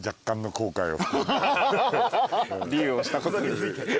龍をしたことについて。